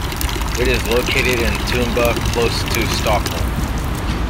It is located in Tumba, close to Stockholm.